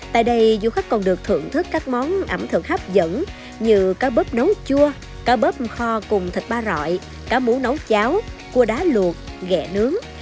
tại đây du khách còn được thưởng thức các món ẩm thực hấp dẫn như cá bớp nấu chua cá bớp kho cùng thịt ba rọi cá mũ nấu cháo cua đá luộc ghẹ nướng